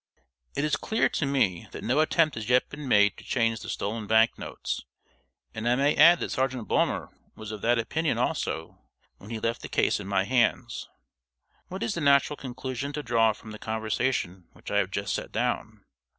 It is clear to me that no attempt has yet been made to change the stolen bank notes, and I may add that Sergeant Bulmer was of that opinion also when he left the case in my hands. What is the natural conclusion to draw from the conversation which I have just set down?